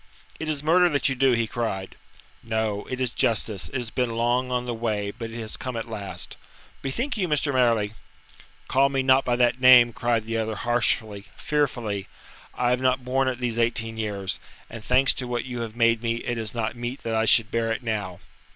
"It is murder that you do," he cried. "No; it is justice. It has been long on the way, but it has come at last." "Bethink you, Mr. Marleigh " "Call me not by that name," cried the other harshly, fearfully. "I have not borne it these eighteen years, and thanks to what you have made me, it is not meet that I should bear it now."